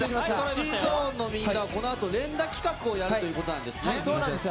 ＳｅｘｙＺｏｎｅのみんな、このあと連打企画をやるということなんですね。